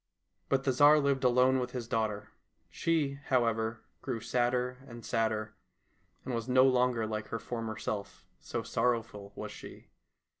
But the Tsar lived alone with his daughter. She, however, grew sadder and sadder, and was no longer like her former self, so sorrowful was she.